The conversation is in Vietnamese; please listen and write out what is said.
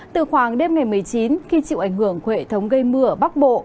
từ khoảng đêm ngày một mươi chín khi chịu ảnh hưởng của hệ thống gây mưa ở bắc bộ